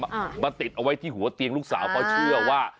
มาติดเอาไว้ที่หัวเตียงลูกสาวเพราะเชื่อว่า